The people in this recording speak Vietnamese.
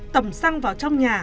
tầm xăng vào trong nhà